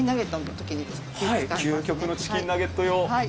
はい究極のチキンナゲット用。